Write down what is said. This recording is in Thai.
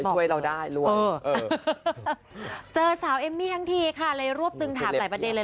ช่วยเราได้ร่วมเจอสาวเอมมี่ทั้งทีค่ะเลยรวบตึงถามหลายประเด็นเลย